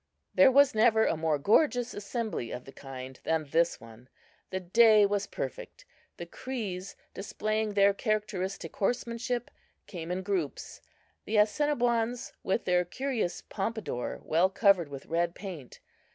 There was never a more gorgeous assembly of the kind than this one. The day was perfect. The Crees, displaying their characteristic horsemanship, came in groups; the Assiniboines, with their curious pompadour well covered with red paint.